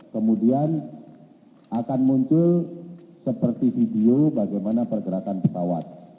kemudian akan muncul seperti video bagaimana pergerakan pesawat